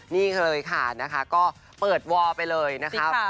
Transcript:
นี่เลยค่ะนะคะก็เปิดวอลไปเลยนะคะ